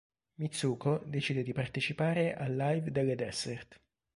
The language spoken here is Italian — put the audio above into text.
Mitsuko decide di partecipare al live delle Dessert.